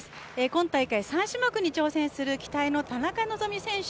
今大会３種目に挑戦する期待の田中希実選手。